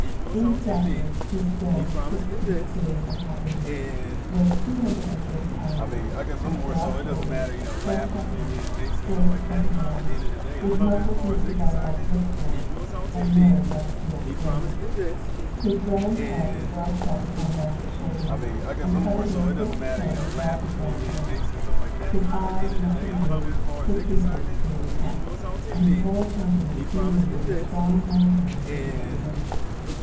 In stature he stands six feet two and a half inches; weighs two hundred and thirty pounds; is broad shouldered, full chested, straight as an arrow, with muscles knit together like whipcords, and nerves like steel springs; his grand head well set upon massive shoulders, and covered with a thick coat of glossy brown hair; his eye melting blue, his features clearly cut, and his whole countenance beaming with the strong manhood which it represents.